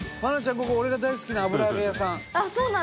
ここ俺が大好きなあぶらあげ屋さん。